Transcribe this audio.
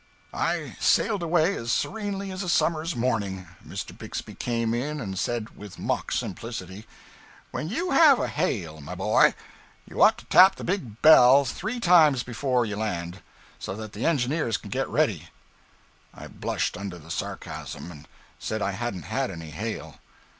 I sailed away as serenely as a summer's morning. Mr. Bixby came in and said, with mock simplicity 'When you have a hail, my boy, you ought to tap the big bell three times before you land, so that the engineers can get ready.' I blushed under the sarcasm, and said I hadn't had any hail.